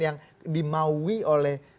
yang dimaui oleh